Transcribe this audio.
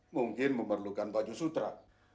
mungkin memerlukan baju sutra